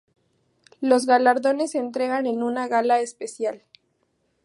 Los galardones se entregan en una gala especial.